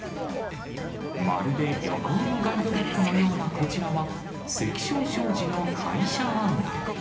まるで旅行のガイドブックのようなこちらは、関彰商事の会社案内。